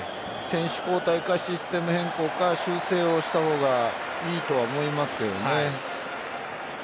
選手交代かシステム変更か修正をした方がいいとは思いますけどね。